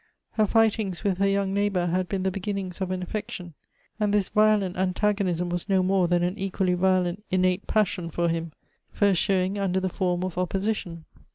Her fightings with her young neighbor had been the beginnings of an affection ; and this violent antagonism was no more than an equally violent innate passion for him, first showing under the form of opposition.